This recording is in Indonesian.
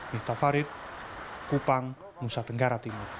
mirta farid kupang musa tenggara timur